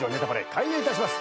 開演いたします。